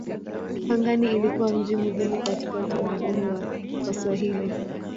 Pangani ilikuwa mji muhimu katika utamaduni wa Waswahili.